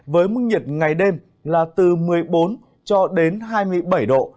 với mức nhiệt ngày đêm là từ một mươi bốn hai mươi bảy độ